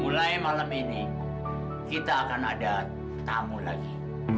mulai malam ini kita akan ada tamu lagi